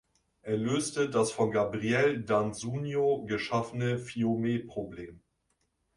Er löste das von Gabriele d'Annunzio geschaffene Fiume-Problem.